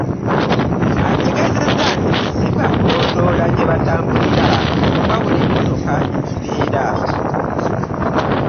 Ategeezezza nti si ba kulondoola gye batambulira wabula emmotoka gye zibeera